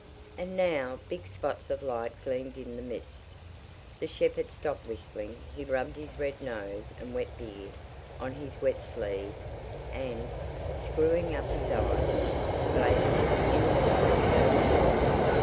And now big spots of light gleamed in the mist. The shepherd stopped whistling; he rubbed his red nose and wet beard on his wet sleeve and, screwing up his eyes, glanced in the direction of the sea.